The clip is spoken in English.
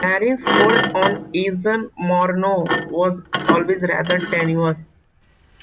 Nairn's hold on Eden-Monaro was always rather tenuous.